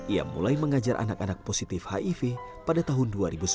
ia mulai mengajar anak anak positif hiv pada tahun dua ribu sebelas